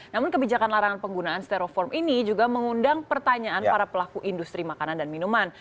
namun kebijakan larangan penggunaan steroform ini juga mengundang pertanyaan para pelaku industri makanan dan minuman